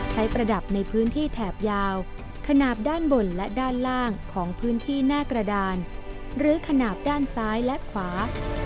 ประดับในพื้นที่แถบยาวขนาดด้านบนและด้านล่างของพื้นที่หน้ากระดานหรือขนาดด้านซ้ายและขวา